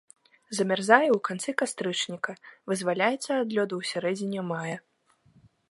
Замярзае ў канцы кастрычніка, вызваляецца ад лёду ў сярэдзіне мая.